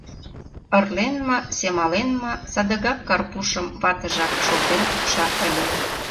Ырлен ма, семален ма — садыгак Карпушым ватыжак шолтен пукша ыле.